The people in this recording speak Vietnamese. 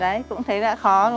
đấy cũng thấy đã khó đúng không